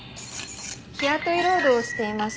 日雇い労働をしています